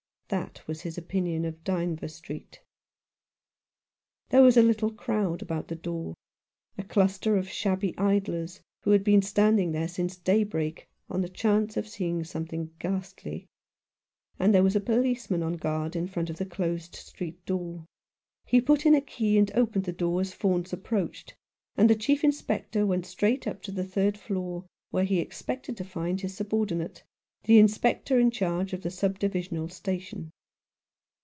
That was his opinion of Dynevor Street. There was a little crowd about the door — a cluster of shabby idlers, who had been standing there since daybreak, on the chance of seeing some thing ghastly ; and there was a policeman on guard in front of the closed street door. He put in a key and opened the door as Faunce approached, and the Chief Inspector went straight up to the third floor, where he expected to find his subordinate, the Inspector in charge of the sub divisional station.